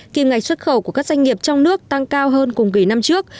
kim ngạch xuất khẩu của các doanh nghiệp trong nước tăng cao hơn cùng kỳ năm trước